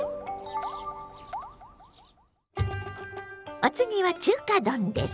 お次は中華丼です。